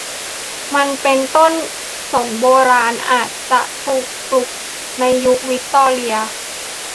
มันเป็นต้นสนโบราณ อาจจะถูกปลูกในยุควิกตอเรีย